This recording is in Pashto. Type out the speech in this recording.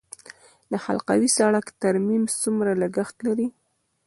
د حلقوي سړک ترمیم څومره لګښت لري؟